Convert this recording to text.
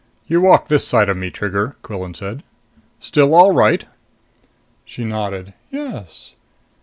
"You walk this side of me, Trigger," Quillan said. "Still all right?" She nodded. "Yes."